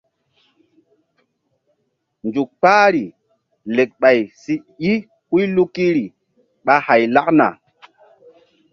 Nzuk kpahri lekɓay si i huy lukiri ɓa hay lakna.